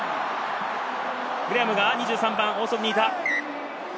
グレアムが大外にいた。